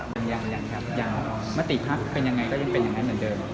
สมมติครับเป็นยังไงก็ยังเป็นอย่างเนี้ยเหมือนเดิม